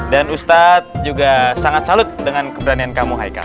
dan ustadz juga sangat salut dengan keberanian kamu haikal